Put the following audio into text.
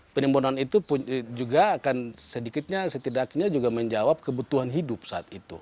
penimbunan itu juga akan sedikitnya setidaknya juga menjawab kebutuhan hidup saat itu